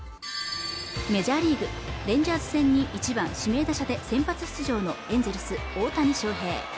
メジャーリーグレンジャーズ戦に１番指名打者で先発出場のエンゼルス大谷翔平